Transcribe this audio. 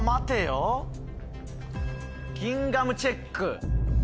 ギンガムチェック。